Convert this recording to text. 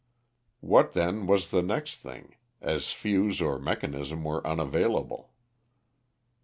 What then was the next thing, as fuse or mechanism were unavailable?